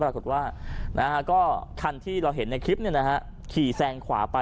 ปรากฏว่าคันที่เราเห็นในคลิปนี่นะครับขี่แซงขวาไป